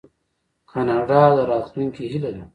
کاناډا د راتلونکي هیله ده.